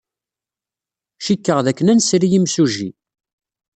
Cikkeɣ dakken ad nesri imsujji.